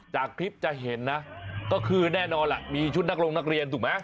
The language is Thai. จากคลิปจะเห็นนะก็คือแน่นอนล่ะมีชุดนักลงนักเรียนถูกไหม